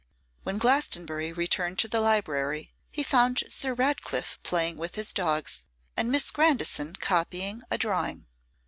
When Glastonbury returned to the library, he found Sir Ratcliffe playing with his dogs, and Miss Grandison copying a drawing.